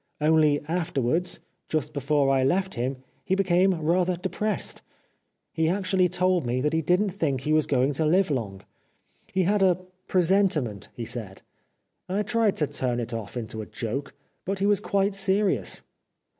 Only afterwards, just before I left him, he became rather depressed. He actually told me that he didn't think he was going to live long ; he had a presentiment, he said. I tried to turn it off into a joke, but he was quite serious.